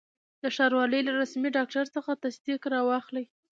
د ښاروالي له رسمي ډاکټر څخه تصدیق را واخلئ.